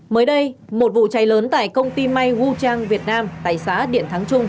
mới đây một vụ cháy lớn tại công ty may wu chang việt nam tại xã điện thắng trung